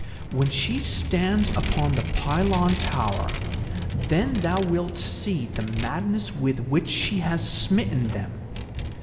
When she stands upon the pylon tower, then thou wilt see the madness with which she has smitten them.